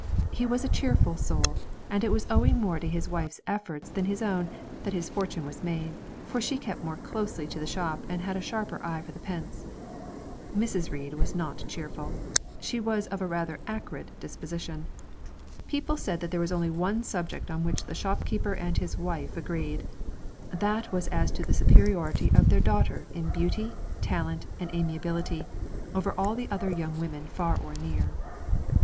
He was a cheerful soul; and it was owing more to his wife's efforts than his own that his fortune was made, for she kept more closely to the shop and had a sharper eye for the pence. Mrs. Reid was not cheerful; she was rather of an acrid disposition. People said that there was only one subject on which the shopkeeper and his wife agreed, that was as to the superiority of their daughter in beauty, talent, and amiability, over all other young women far or near.